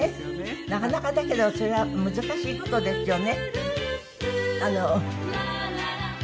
なかなかだけどそれは難しい事ですよね。